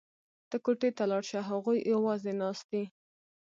ته کوټې ته لاړه شه هغوی یوازې ناست دي